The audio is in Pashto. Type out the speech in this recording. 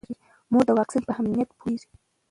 مور د واکسین په اهمیت پوهیږي.